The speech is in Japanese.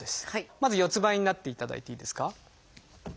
まず四つんばいになっていただいていいですか。